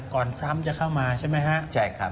ค่อนถ้ำจะเข้ามาใช่มั้ยฮะใช่ครับ